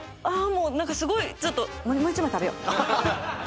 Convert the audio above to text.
もう何かすごいちょっともう一枚食べよう